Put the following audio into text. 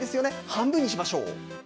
半分にしましょう。